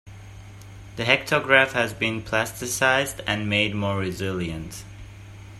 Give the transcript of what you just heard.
The hectograph has been plasticized, and made more resilient.